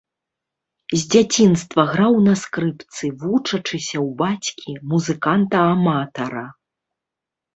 З дзяцінства граў на скрыпцы, вучачыся ў бацькі, музыканта-аматара.